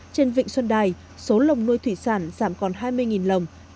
trên vịnh xuân đài số lồng nuôi thủy sản giảm còn hai mươi lồng